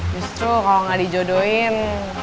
justru kalau nggak dijodohin